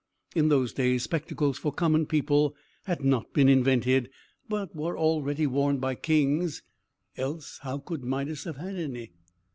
In those days, spectacles for common people had not been invented, but were already worn by kings: else, how could Midas have had any?